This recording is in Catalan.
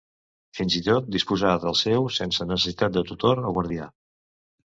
Fins i tot disposar del seu sense necessitat de tutor o guardià.